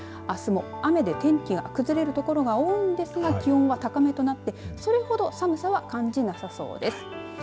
あすも雨で天気が崩れる所が多いんですが気温は高めとなって、それほど寒さは感じなさそうです。